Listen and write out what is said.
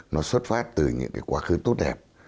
nó xuất phát từ những cái quá khứ tốt đẹp